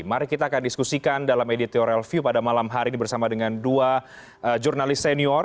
mari kita akan diskusikan dalam editorial view pada malam hari ini bersama dengan dua jurnalis senior